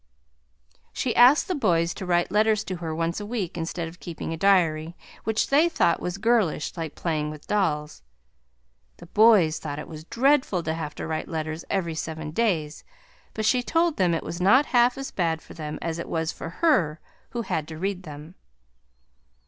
She asked the boys to write letters to her once a week instead of keeping a diary, which they thought was girlish like playing with dolls. The boys thought it was dreadful to have to write letters every seven days, but she told them it was not half as bad for them as it was for her who had to read them.